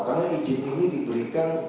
karena izin ini diberikan